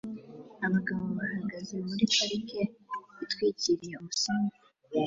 Abagabo bahagaze muri parike itwikiriye umusenyi